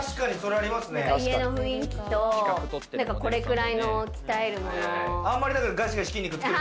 家の雰囲気とこれくらいの鍛えるもの。